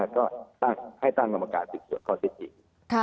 ก็ให้ตั้งลำกาศสิทธิ์ตรวจข้อเท็จจริง